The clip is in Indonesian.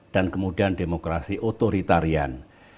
dan kemudian demokrasi otoritarian